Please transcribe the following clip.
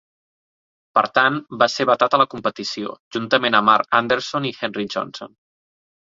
Per tant, va ser vetat a la competició, juntament amb Arne Andersson i Henry Jonsson.